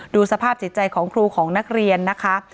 สภาพจิตใจของครูของนักเรียนนะคะ